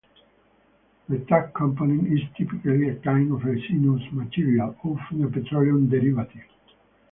The tack component is typically a kind of resinous material, often a petroleum derivative.